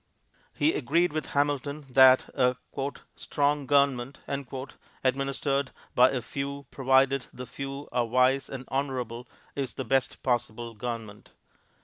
He agreed with Hamilton that a "strong government" administered by a few, provided the few are wise and honorable, is the best possible government.